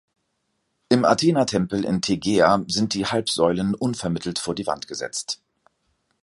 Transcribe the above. Am Athenatempel in Tegea sind die Halbsäulen unvermittelt vor die Wand gesetzt.